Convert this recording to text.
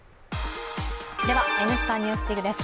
「Ｎスタ・ＮＥＷＳＤＩＧ」です。